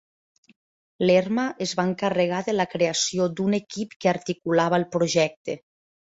Lerma es va encarregar de la creació d"un equip que articulava el projecte.